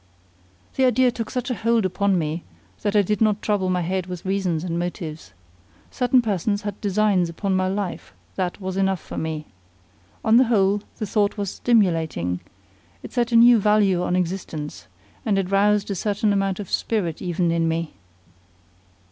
The idea took such a hold upon me that I did not trouble my head with reasons and motives. Certain persons had designs upon my life; that was enough for me. On the whole, the thought was stimulating; it set a new value on existence, and it roused a certain amount of spirit even in me.